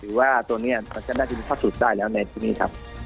หรือว่าตัวนี้มันจะได้ถึงทักศูนย์ได้แล้วในที่นี้ครับ